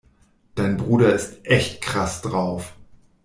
Dein Bruder ist echt krass drauf.